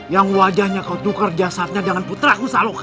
yang wajahnya kau tukar jasadnya dengan putra ku saloka